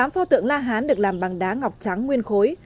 một mươi tám pho tượng la hán được làm bằng đá ngọc trắng nguyên khối